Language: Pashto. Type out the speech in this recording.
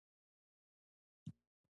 کارکوونکي وژني.